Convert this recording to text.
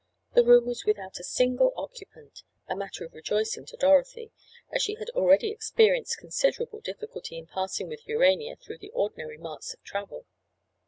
The room was without a single occupant, a matter of rejoicing to Dorothy, as she had already experienced considerable difficulty in passing with Urania through the ordinary marts of travel.